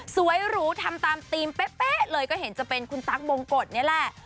หรูทำตามธีมเป๊ะเลยก็เห็นจะเป็นคุณตั๊กบงกฎนี่แหละ